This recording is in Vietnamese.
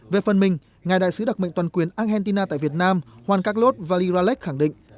về phần mình ngài đại sứ đặc mệnh toàn quyền argentina tại việt nam hoan các lốt vali ralech khẳng định